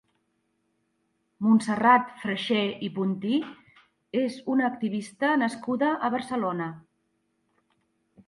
Montserrat Freixer i Puntí és una activista nascuda a Barcelona.